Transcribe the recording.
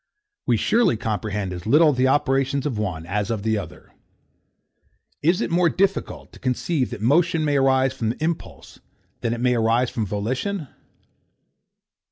We surely comprehend as little the operations of one as of the other. Is it more difficult to conceive that motion may arise from impulse than that it may arise from volition?